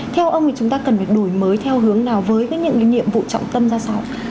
theo ông thì chúng ta cần phải đổi mới theo hướng nào với những nhiệm vụ trọng tâm ra sao